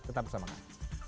tetap bersama kami